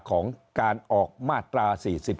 ของการออกมาตรา๔๔